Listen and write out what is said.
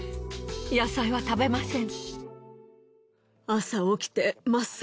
野菜は食べません。